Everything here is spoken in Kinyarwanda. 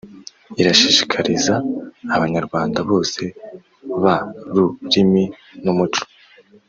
irashishikariza Abanyarwanda bose b’rurimi n’Umuco